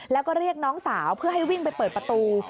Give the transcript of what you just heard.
แล้วก็เรียกน้องสาวเพื่อให้วิ่งไปเปิดประตู